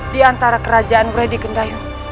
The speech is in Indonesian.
di antara kerajaan wredi gendayu